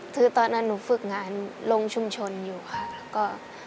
คือตอนนั้นหนูฝึกงานโรงชุมชนอยู่ค่ะ